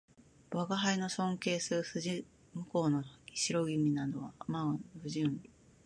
吾輩の尊敬する筋向こうの白君などは会う度毎に人間ほど不人情なものはないと言っておらるる